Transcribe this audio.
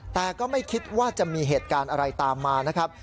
แต่ก็ไม่คิดว่าจะมีเหตุการณ์อะไรตามมานะครับ